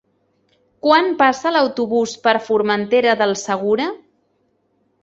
Quan passa l'autobús per Formentera del Segura?